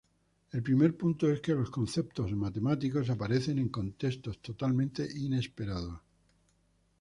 El primer punto es que los conceptos matemáticos aparecen en contextos totalmente inesperados.